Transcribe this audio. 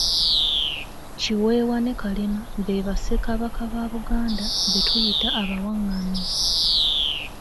Kiweewa ne Kalema be bassekabaka ba Buganda be tuyita abawangami.